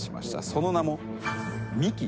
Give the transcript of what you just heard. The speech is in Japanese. その名も。